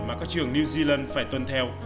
mà các trường new zealand phải tuân theo